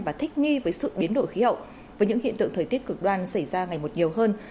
và thích nghi với sự biến đổi khí hậu với những hiện tượng thời tiết cực đoan xảy ra ngày một nhiều hơn